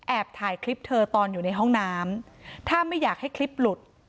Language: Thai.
ถ่ายคลิปเธอตอนอยู่ในห้องน้ำถ้าไม่อยากให้คลิปหลุด